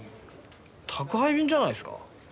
宅配便じゃないですか？